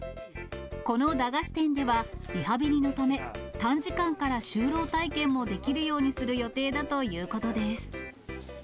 この駄菓子店では、リハビリのため、短時間から就労体験もできるようにする予定だということです。